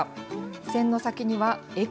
視線の先には駅。